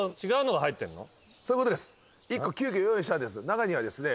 中にはですね。